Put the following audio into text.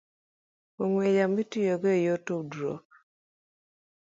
ong'we yamo itiyogo e yor tudruok.